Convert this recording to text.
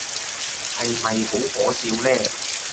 係咪好可笑呢？